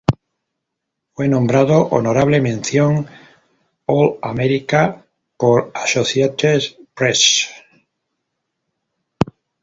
Fue nombrado honorable mención All-America por Associated Press.